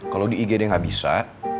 kalau di igd nggak bisa